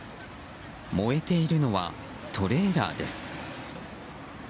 燃えているのはトレーラーです。